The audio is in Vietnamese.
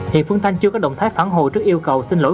hiện phương thanh chưa có động thái phản hồi trước yêu cầu xin lỗi